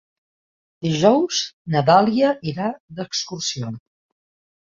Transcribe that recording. Dijous na Dàlia irà d'excursió.